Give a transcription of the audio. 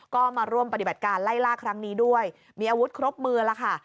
ก็มาร่วมปฏิบัติการไล่ล่าครั้งนี้ด้วยมีอาวุธครบมือแล้วค่ะ